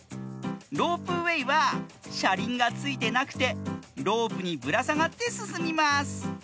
ロープウエーはしゃりんがついてなくてロープにぶらさがってすすみます。